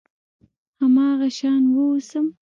هماغه شان واوسم .